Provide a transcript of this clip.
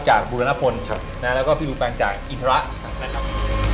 จากบุรณภลนะครับแล้วก็พี่อู๋แปลงจากอินทรานะครับ